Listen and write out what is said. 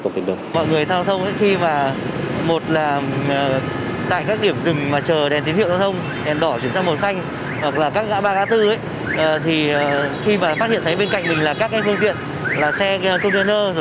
mọi người tham gia giao thông ấy khi mà một là tại các điểm rừng mà chờ đèn tín hiệu giao thông đèn đỏ chuyển sang màu xanh hoặc là các gã ba gã tư ấy thì khi mà phát hiện thấy bên cạnh mình là các cái phương tiện là xe container